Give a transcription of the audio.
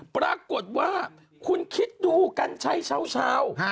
ปรากฏว่าคุณคิดดูกัญชัยเช้า